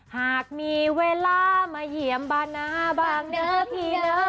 หากมีเวลามาเยี่ยมบ้านนาบ้างนะพี่นะ